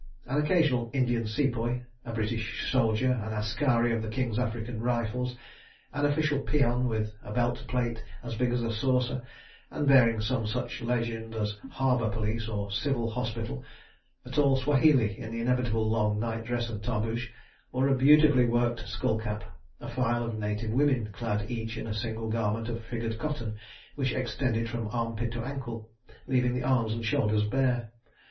An occasional Indian Sepoy, a British soldier, an askari of the King's African Rifles, an official peon with a belt plate as big as a saucer (and bearing some such legend as Harbour Police or Civil Hospital), a tall Swahili in the inevitable long night dress and tarboosh, or a beautifully worked skull cap, a file of native women clad each in a single garment of figured cotton which extended from arm pit to ankle, leaving the arms and shoulders bare.